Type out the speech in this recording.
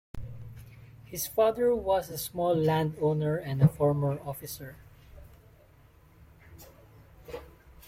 His father was a small landowner and a former officer.